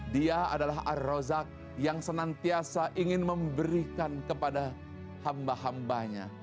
dia adalah ar rozak yang senantiasa ingin memberikan kepada hamba hambanya